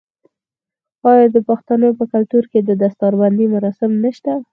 آیا د پښتنو په کلتور کې د دستار بندی مراسم نشته؟